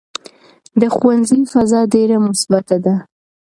د ښوونځي فضا ډېره مثبته ده.